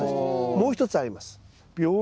もう１つあります。